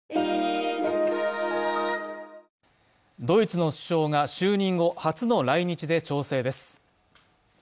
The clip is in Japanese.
ドイツの首相が就任後初の来日で調整です。